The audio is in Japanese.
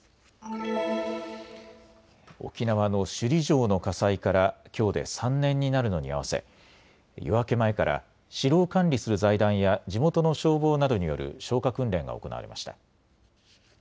沖縄の首里城の火災からきょうで３年になるのに合わせ夜明け前から城を管理する財団や地元の消防などによる消火訓練が行われました。